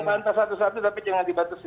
saya mau bantah satu persatu tapi jangan dibatasi